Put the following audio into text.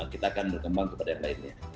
kita akan berkembang kepada yang lainnya